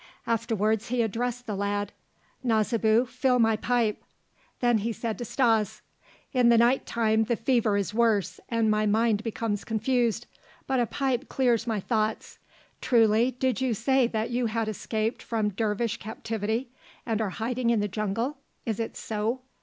Afterwards he addressed the lad: "Nasibu, fill my pipe." Then he said to Stas: "In the night time the fever is worse and my mind becomes confused. But a pipe clears my thoughts. Truly, did you say that you had escaped from dervish captivity and are hiding in the jungle? Is it so?"